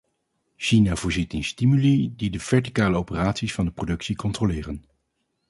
China voorziet in stimuli die de verticale operaties van de productie controleren.